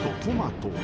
トマト］